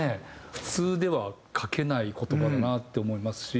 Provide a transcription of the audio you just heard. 普通では書けない言葉だなって思いますし。